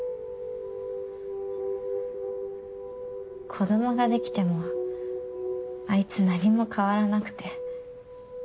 子供ができてもあいつ何も変わらなくて。